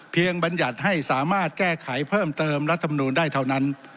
บรรยัติให้สามารถแก้ไขเพิ่มเติมรัฐมนูลได้เท่านั้น